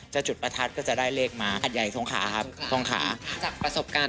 จุดประทัดก็จะได้เลขมาหัดใหญ่ทรงขาครับทรงขาจากประสบการณ์